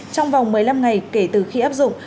trong vòng một mươi năm ngày kể từ khi áp dụng